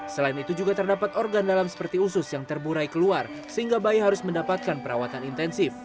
selain itu juga terdapat organ dalam seperti usus yang terburai keluar sehingga bayi harus mendapatkan perawatan intensif